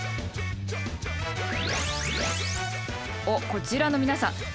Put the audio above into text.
おっこちらの皆さん